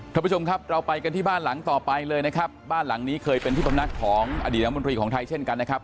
ท่านผู้ชมครับเราไปกันที่บ้านหลังต่อไปเลยนะครับบ้านหลังนี้เคยเป็นที่พำนักของอดีตรัฐมนตรีของไทยเช่นกันนะครับ